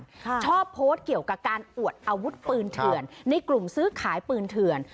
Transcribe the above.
ชอบโพสต์เกี่ยวกับการอวดอาวุธปืนเถื่อนในกลุ่มซื้อขายปืนเถื่อน